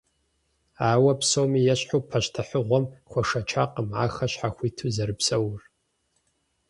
Ауэ, псом ящхьэу, пащтыхьыгъуэм хуэшэчакъым ахэр щхьэхуиту зэрыпсэур.